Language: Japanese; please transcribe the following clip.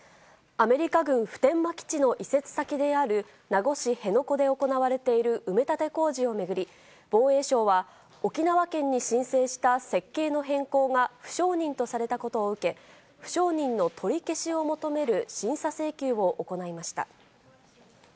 アメリカ軍普天間基地の移設先である名護市辺野古で行われている埋め立て工事を巡り、防衛省は沖縄県に申請した設計の変更が、不承認とされたことを受け、不承認の取り消しを求める審査請求を行いました。